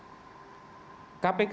adalah sebuah institusi